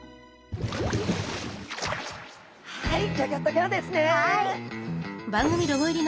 はい！